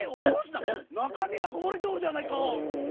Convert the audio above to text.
なかみがこぼれておるではないか！